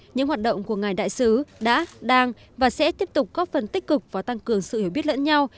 những hoạt động của ngài đại sứ đã đang và sẽ tiếp tục góp phần tích cực và tăng cường sự hiểu biết lẫn nhau